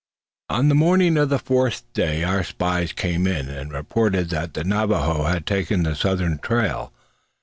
On the morning of the fourth day our spies came in, and reported that the Navajoes had taken the southern trail.